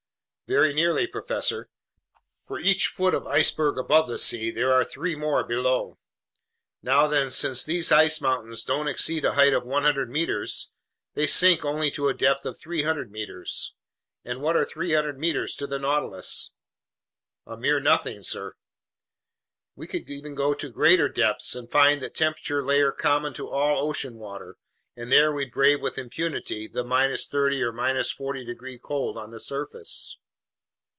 "Very nearly, professor. For each foot of iceberg above the sea, there are three more below. Now then, since these ice mountains don't exceed a height of 100 meters, they sink only to a depth of 300 meters. And what are 300 meters to the Nautilus?" "A mere nothing, sir." "We could even go to greater depths and find that temperature layer common to all ocean water, and there we'd brave with impunity the 30 degrees or 40 degrees cold on the surface."